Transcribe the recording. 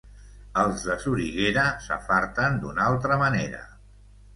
Els de Soriguera s'afarten d'una altra manera.